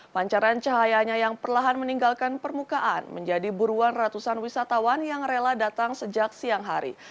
pancaran cahayanya yang perlahan meninggalkan permukaan menjadi buruan ratusan wisatawan yang rela datang sejak siang hari